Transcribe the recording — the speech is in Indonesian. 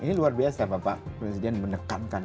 ini luar biasa bapak presiden menekankan